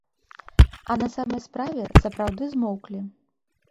А на самай справе, сапраўды змоўклі.